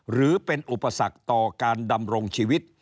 หรือเป็นอุปสรรคต่อการดำรงชีวิต